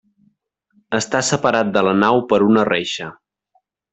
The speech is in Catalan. Està separat de la nau per una reixa.